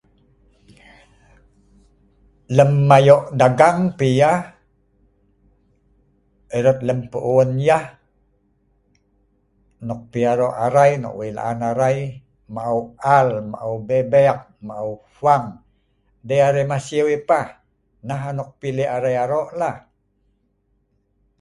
Lem ayo dagang piyah, erat lem puun yah, nok pi aro arai, nok laan arai ,arai maeu Al, maeu bebek, maeu fwang. Dei arai masiu yah pah .Nah anok pi lek arai aro.